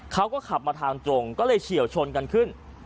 เขาก็ขับมาทางตรงก็เลยเฉียวชนกันขึ้น